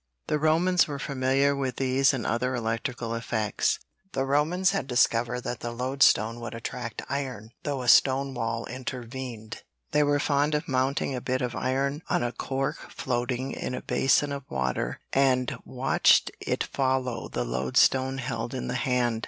The Romans were familiar with these and other electrical effects. The Romans had discovered that the lodestone would attract iron, though a stone wall intervened. They were fond of mounting a bit of iron on a cork floating in a basin of water and watch it follow the lodestone held in the hand.